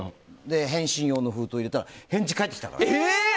返信用の封筒入れたら返事、返ってきたから。